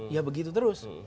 ya begitu terus